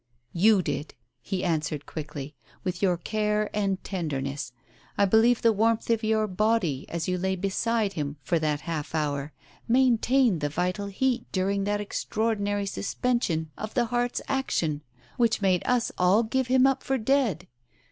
"You did," he answered quickly, "with your care and tenderness. I believe the warmth of your body, as you lay beside him for that half hour, maintained the vital heat during that extraordinary suspension of the heart's action, which made us all give him up for dead.